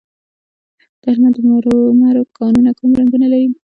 د هلمند د مرمرو کانونه کوم رنګونه لري؟